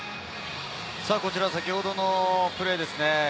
こちら先ほどのプレーですね。